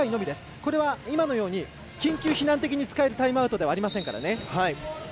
これは緊急避難的に使えるタイムアウトではありませんからね。